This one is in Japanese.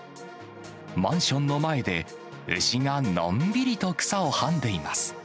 マンションの前で、牛がのんびりと草を食んでいます。